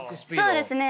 そうですね。